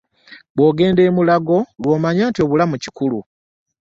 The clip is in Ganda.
Bw'ogenda e Mulago lw'omanya nti obulamu kikulu.